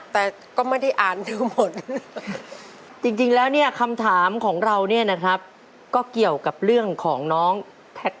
แต่ก็ไม่ได้อ่านดูหมด